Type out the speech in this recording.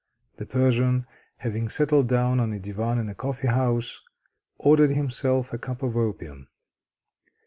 The Persian having settled down on a divan in the coffee house, ordered himself a cup of opium.